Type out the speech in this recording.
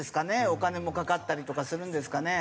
お金もかかったりとかするんですかね？